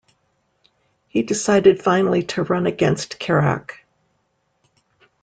He decided finally to run against Chirac.